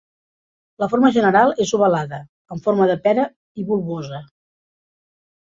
La forma general és ovalada, amb forma de pera i bulbosa.